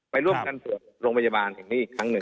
ไปร่วมกันตรวจโรงพยาบาลอีกครั้งนึง